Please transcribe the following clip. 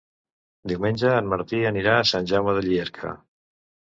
Diumenge en Martí anirà a Sant Jaume de Llierca.